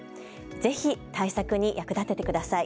ぜひ対策に役立ててください。